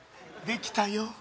できたよ